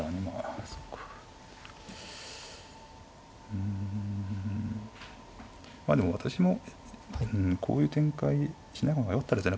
うんまあでも私もこういう展開にしない方がよかったですね。